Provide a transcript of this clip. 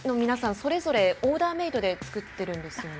それぞれオーダーメイドで作っているんですよね。